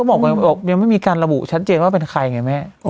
ก็บอกกันบอกยังไม่มีการระบุชัดเจนว่าเป็นใครไงแม่อ๋อ